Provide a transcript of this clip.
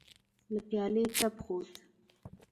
له پيالې تپ خوت.